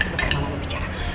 sebenernya mama mau bicara